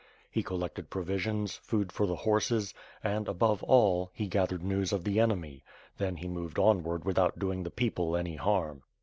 He collected provisions, food for the horses, and, above all, he gathered news of the enemy; then he moved onward with out doing the people any harm.